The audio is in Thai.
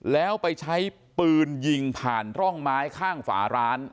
แล้วไปใช้ปืนยิงผ่านร่องไม้ข้างฝาร้าน